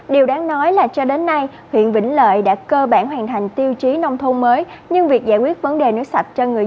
điều đáng nói là cho đến nay huyện vĩnh lợi đã cơ bản hoàn thành tiêu chí nông thôn mới